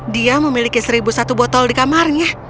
dia memiliki seribu satu botol di kamarnya